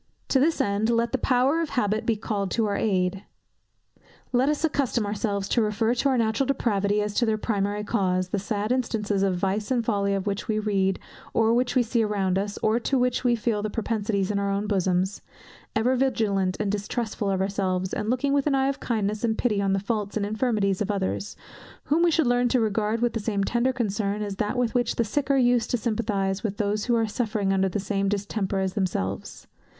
To this end, let the power of habit be called in to our aid. Let us accustom ourselves to refer to our natural depravity, as to their primary cause, the sad instances of vice and folly of which we read, or which we see around us, or to which we feel the propensities in our own bosoms; ever vigilant and distrustful of ourselves, and looking with an eye of kindness and pity on the faults and infirmities of others, whom we should learn to regard with the same tender concern as that with which the sick are used to sympathize with those who are suffering under the same distemper as themselves.